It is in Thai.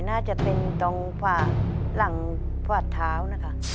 น่าจะเป็นตรงหลังฝาดเท้านะคะ